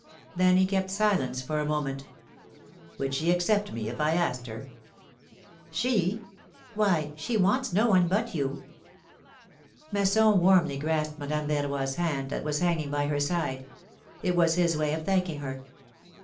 Then he kept silence for a moment : Would she accept me, if I asked her ?" She ? Why, she wants no one but you." Masson warmly grasped Madame Verroy's hand, that was hanging by her side : it was his way of thanking her.